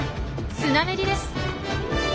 スナメリです。